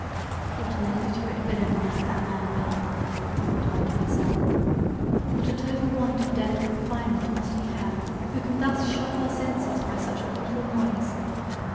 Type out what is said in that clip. "What an illiterate villain must that man be! (thought I to myself) What a total want of delicate refinement must he have, who can thus shock our senses by such a brutal noise!